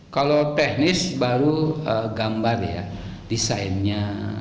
kalau teknis baru gambar ya desainnya